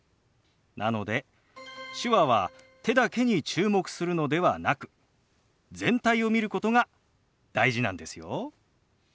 なので手話は手だけに注目するのではなく全体を見ることが大事なんですよ。